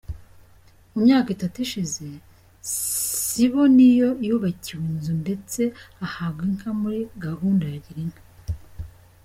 Mu myaka itatu ishize, Siboniyo yubakiwe inzu ndetse ahabwa inka muri gahunda ya Girinka.